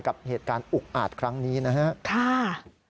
กับเหตุการณ์อุกอาจครั้งนี้นะครับ